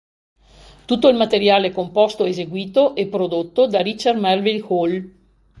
Tutto il materiale composto, eseguito e prodotto da Richard Melville Hall.